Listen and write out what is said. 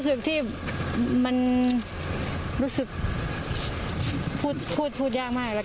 สำหรับทุกอย่างเลย